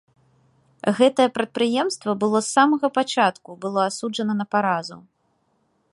Гэтае прадпрыемства было з самага пачатку было асуджана на паразу.